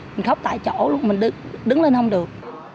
mình khóc tại chỗ luôn mình đứng đứng lên không được